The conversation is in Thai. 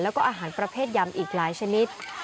แล้วก็อาหารประเภทยำอีกหลายชนิด